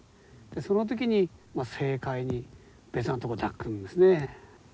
その時に正解に別なとこ抱くんですね。